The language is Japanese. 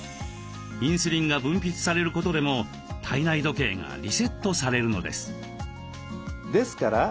インスリンが分泌されることでも体内時計がリセットされるのです。